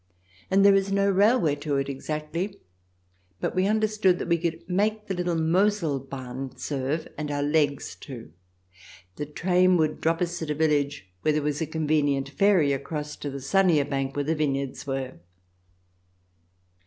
And there is no railway to it, exactly, but we under stood that we could make the little Mosel Bahn serve and our legs too. The train would drop us at a village where there was a convenient ferry across to the other sunnier bank where the vine yards were.